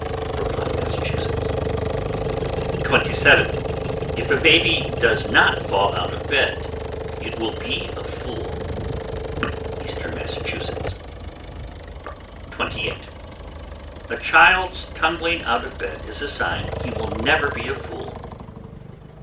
Brookline, Mass. 27. If a baby does not fall out of bed, it will be a fool. Eastern Massachusetts. 28. A child's tumbling out of bed is a sign he will never be a fool.